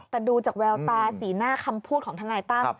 แต่ดูจากแววตาสีหน้าคำพูดของทนายตั้ม